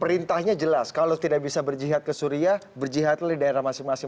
perintahnya jelas kalau tidak bisa berjihad ke suria berjihadlah di daerah masing masing